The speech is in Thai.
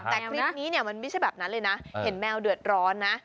แต่คลิปนี้มันไม่ใช่แบบนั้นเลยนะ